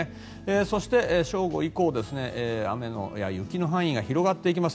そして正午以降、雨や雪の範囲が広がっていきます。